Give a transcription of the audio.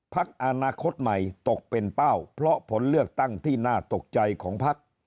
พักอนาคตใหม่ตกเป็นเป้าเพราะผลเลือกตั้งที่น่าตกใจของพัก